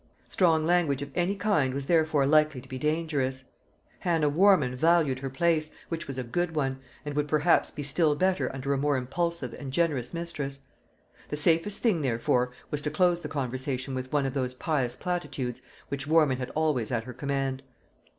Strong language of any kind was therefore likely to be dangerous. Hannah Warman valued her place, which was a good one, and would perhaps be still better under a more impulsive and generous mistress. The safest thing therefore was to close the conversation with one of those pious platitudes which Warman had always at her command.